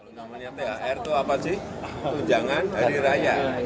namanya thr itu apa sih tunjangan hari raya